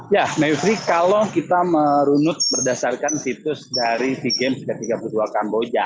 ya mepri kalau kita merunut berdasarkan situs dari sejak tiga puluh dua kamboja